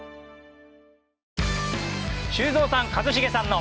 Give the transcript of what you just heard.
修造さん一茂さんの。